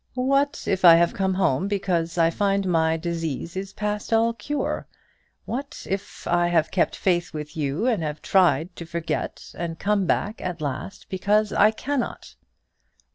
"What if I have come home because I find my disease is past all cure! What if I have kept faith with you, and have tried to forget, and come back at last because I cannot!"